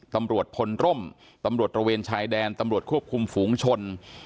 ตำรวจพลร่มตำรวจตระเวนชายแดนตำรวจควบคุมฝูงชน